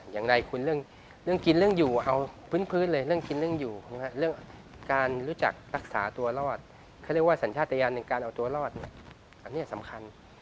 อย่างไรคุณเรื่องกินเรื่องอยู่เอาพื้นเลยเรื่องกินเรื่องอยู่เรื่องการรู้จักรักษาตัวรอดเขาเรียกว่าสัญชาติยานในการเอาตัวรอดเนี่ยอันนี้สำคัญ